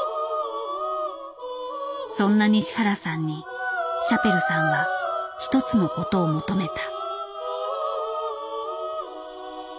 そんな西原さんにシャペルさんは一つのことを求めた。